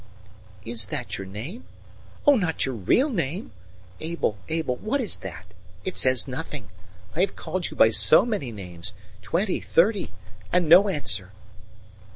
"Is that your name? Oh, not your real name! Abel, Abel what is that? It says nothing. I have called you by so many names twenty, thirty and no answer."